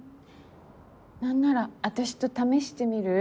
何なら私と試してみる？